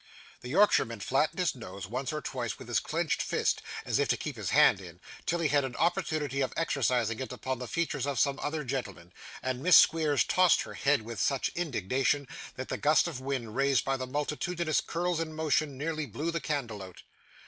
The Yorkshireman flattened his nose, once or twice, with his clenched fist, as if to keep his hand in, till he had an opportunity of exercising it upon the features of some other gentleman; and Miss Squeers tossed her head with such indignation, that the gust of wind raised by the multitudinous curls in motion, nearly blew the candle out.